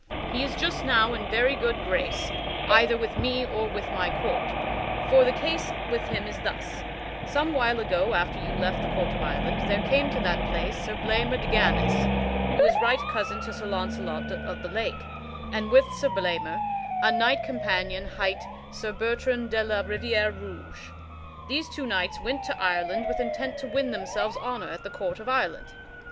He is not just now in very good grace, either with me or with my court, for the case with him is thus: Some while ago, after you left the court of Ireland, there came to that place Sir Blamor de Ganys (who is right cousin to Sir Launcelot of the Lake) and with Sir Blamor a knight companion hight Sir Bertrand de la Riviere Rouge. These two knights went to Ireland with intent to win themselves honor at the court of Ireland.